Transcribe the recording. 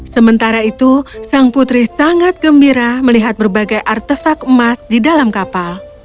sementara itu sang putri sangat gembira melihat berbagai artefak emas di dalam kapal